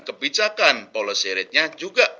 kebijakan policy rate nya juga